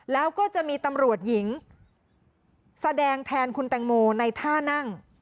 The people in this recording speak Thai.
แล้วก็จะมีตำรวจหญิงแสดงแทนคุณแตงโมในท่านั่ง